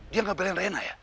dia gak belain reina ya